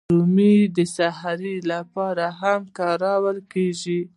رومیان د سحري لپاره هم کارېږي